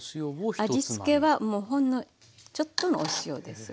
味付けはもうほんのちょっとのお塩です。